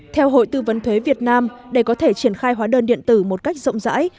theo hội tư vấn thuế việt nam để có thể triển khai hóa đơn điện tử một cách rộng rãi